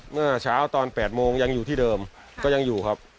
เมื่อเช้าตอน๘โมงยังอยู่ที่เดิมก็ยังอยู่ครับ